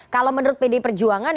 kalau menurut pd perjuangan